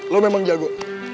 lu memang jago